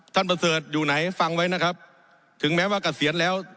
ประเสริฐอยู่ไหนฟังไว้นะครับถึงแม้ว่าเกษียณแล้ว